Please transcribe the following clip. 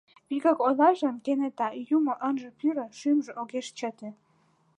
Вигак ойлаш гын, кенета, Юмо ынже пӱрӧ, шӱмжӧ огеш чыте.